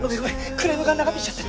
クレームが長引いちゃって。